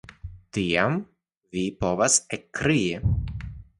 Tiam vi povos ekkrii.